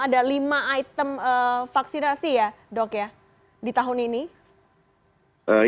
ada lima item vaksinasi ya dok ya di tahun ini